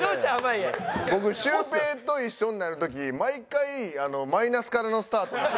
僕シュウペイと一緒になる時毎回マイナスからのスタートなんですよ。